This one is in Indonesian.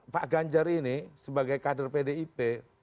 pak ganjar ini sebagai kader pdip